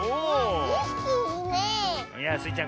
いやスイちゃん